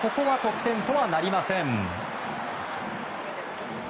ここは得点とはなりません。